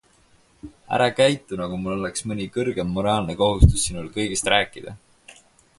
Ära käitu nagu mul oleks mõni kõrgem moraalne kohustus sinule kõigest rääkida.